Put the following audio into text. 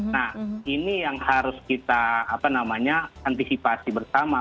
nah ini yang harus kita apa namanya antisipasi bersama